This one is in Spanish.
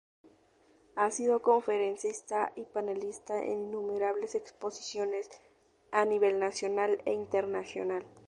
Ha sido conferencista y panelista en innumerables exposiciones a nivel nacional e internacional.